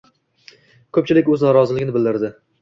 Ko‘pchillik o‘z noroziligini bildirdi.